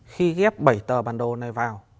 khi ghép bảy tờ bản đồ này vào